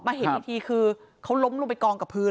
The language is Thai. เห็นอีกทีคือเขาล้มลงไปกองกับพื้น